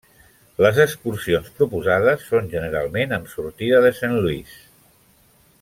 Les excursions proposades són generalment amb sortida de Saint-Louis.